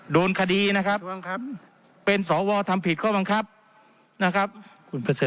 โดนคดีนะครับเป็นสวท่านทำผิดข้อบังคับนะครับ